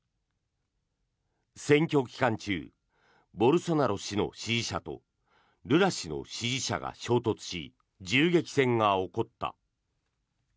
選挙期間中ボルソナロ氏の支持者とルラ氏の支持者が衝突し銃撃戦が起こった。